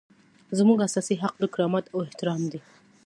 زموږ اساسي حق د کرامت او احترام دی.